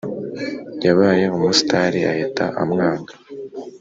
Yabaye umusitari ahita amwanga